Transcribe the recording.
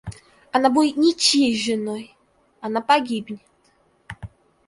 Она будет ничьей женой, она погибнет!